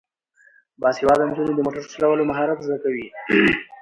باسواده نجونې د موټر چلولو مهارت زده کوي.